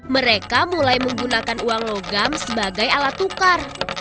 mereka mulai menggunakan uang logam sebagai alat tukar